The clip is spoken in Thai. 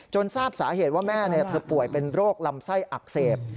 ทราบสาเหตุว่าแม่เธอป่วยเป็นโรคลำไส้อักเสบ